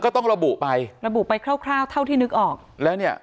ต้องระบุไประบุไปคร่าวคร่าวเท่าที่นึกออกแล้วเนี่ย